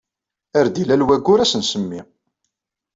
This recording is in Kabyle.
Ar d-illal waggur ad s-nsemmi.